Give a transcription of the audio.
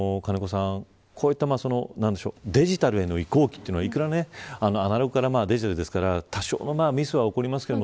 ただ金子さん、こういったデジタルへの移行期というのはアナログからですから多少、ミスは起こります。